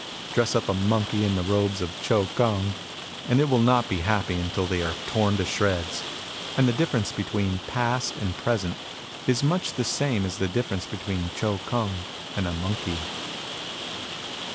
... Dress up a monkey in the robes of Chou Kung, and it will not be happy until they are torn to shreds. And the difference between past and present is much the same as the difference between Chou Kung and a monkey.